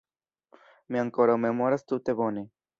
Mi ankoraŭ memoras tute bone.